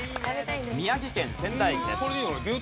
宮城県仙台駅です。